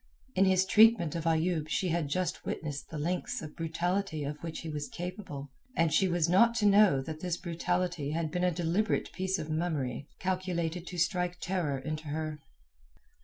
In his treatment of Ayoub she had just witnessed the lengths of brutality of which he was capable, and she was not to know that this brutality had been a deliberate piece of mummery calculated to strike terror into her.